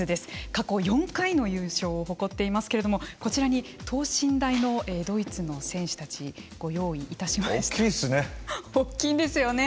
過去４回の優勝を誇っていますけれどもこちらに等身大のドイツの選手たち大きいですね。